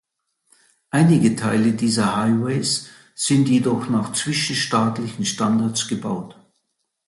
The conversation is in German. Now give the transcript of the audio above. Einige Teile dieser Highways sind jedoch nach zwischenstaatlichen Standards gebaut.